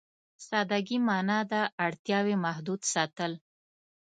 سادهګي معنا ده اړتياوې محدود ساتل.